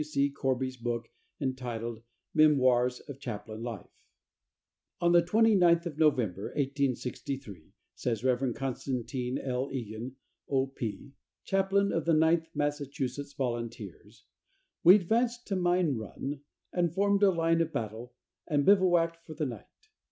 C. Corby's book, entitled "Memoirs of Chaplain Life:" "On the 29th of November, 1863," says Rev. Constantine L. Egan, O. P., chaplain of the Ninth Massachusetts Volunteers, "we advanced to Mine Run and formed a line of battle and bivouacked for the night.